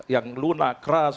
yang lunak keras